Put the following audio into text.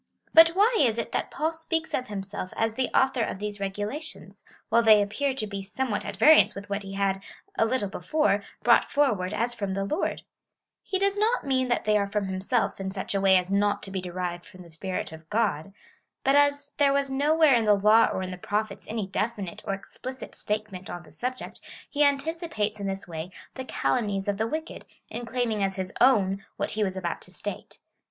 But why is it that Paul speaks of himself as the author of these regulations, while they appear to be some what at variance with what he had, a little before, brought forward, as from the Lord ? He does not mean tliat they are CHAP. VII. 14. FIRST EPISTLE TO THE CORINTHIANS. 241 from himself in sucli a way as not to be derived from tlie S^jirit of God ; but, as there was nowliere in the law or in the Prophets any definite or explicit statement on this sub ject, he anticipates in this way the calumnies of the wicked, in claiming as his own what he was about to state.